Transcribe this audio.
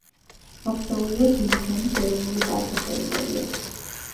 მოქცეულია დილიჯანის ეროვნული პარკის ტერიტორიაზე.